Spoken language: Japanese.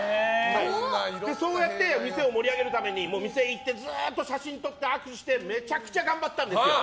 そうやって店を盛り上げるために店行ってずっと写真撮って握手してめちゃくちゃ頑張ったんですよ。